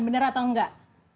bener atau enggak